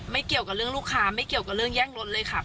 เกี่ยวกับเรื่องลูกค้าไม่เกี่ยวกับเรื่องแย่งรถเลยค่ะ